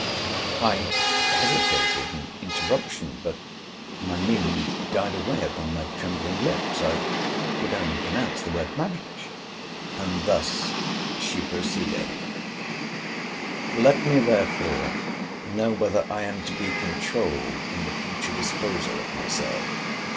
— I hesitated an interruption; but my meaning died away upon my trembling lips. I could only pronounce the word marriage—and thus she proceeded: Let me, therefore, know whether I am to be controuled in the future disposal of myself?